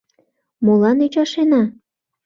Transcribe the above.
— Мола ӱчашена?